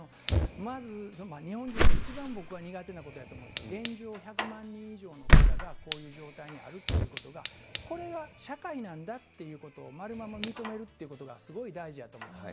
まず、日本人が一番僕は苦手なことやと思うんです、現状、１００万人以上の方がこういう状態にあるっていうことが、これが社会なんだっていうことを、まるのまま認めるということがすごい大事やと思うんです。